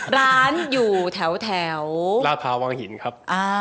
ร้านอยู่แถวลาดพร้าววังหินครับ